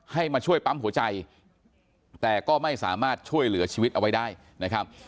มาช่วยปั๊มหัวใจแต่ก็ไม่สามารถช่วยเหลือชีวิตเอาไว้ได้นะครับ